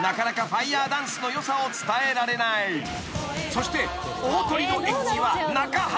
［そして大トリの演技は中畑］